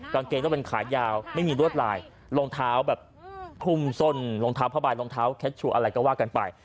กางเกงต้องเป็นขาดยาวไม่มีลวดลายลองเท้าแบบพุ่มส่วนลองเท้าพระบายลองเท้าอะไรก็ว่ากันไป